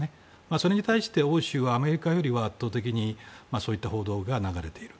それに対して欧州はアメリカよりは圧倒的にそういった報道が流れている。